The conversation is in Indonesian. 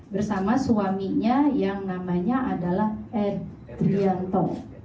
bersama suaminya yang namanya adalah edrianto